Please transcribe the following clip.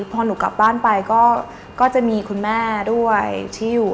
พอหนูกลับบ้านไปก็จะมีคุณแม่ด้วยที่อยู่